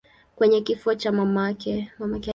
kwenye kifo cha mama yake.